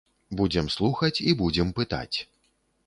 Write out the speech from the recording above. Будзем слухаць і будзем пытаць.